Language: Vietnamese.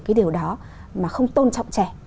cái điều đó mà không tôn trọng trẻ